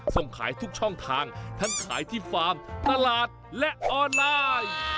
ส่งขายทุกช่องทางทั้งขายที่ฟาร์มตลาดและออนไลน์